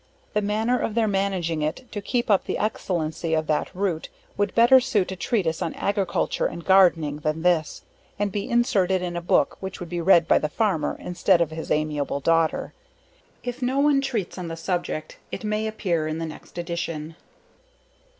The manner of their managing it to keep up the excellency of that root, would better suit a treatise on agriculture and gardening than this and be inserted in a book which would be read by the farmer, instead of his amiable daughter. If no one treats on the subject, it may appear in the next edition.